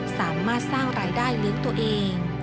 สามารถสร้างรายได้เลี้ยงตัวเอง